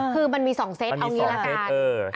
คือมันมี๒เซตเอางี้ละกัน